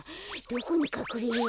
どこにかくれよう。